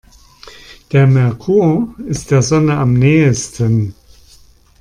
Der Merkur ist der Sonne am nähesten.